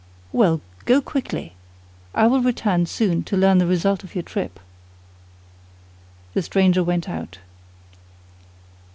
"Well, go quickly! I will return soon to learn the result of your trip." The stranger went out.